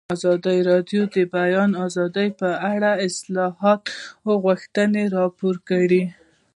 ازادي راډیو د د بیان آزادي په اړه د اصلاحاتو غوښتنې راپور کړې.